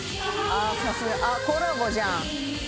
さすがあっコラボじゃん。